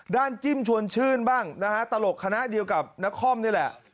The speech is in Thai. ด้านจิ้มชวนชื่นบ้างตลกคณะเดียวกับนาคอมนี่แหละ